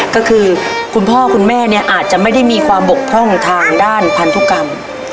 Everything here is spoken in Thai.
ก็คือคุณพ่อคุณแม่เนี่ยอาจจะไม่ได้มีความบกพร่องทางด้านพันธุกรรม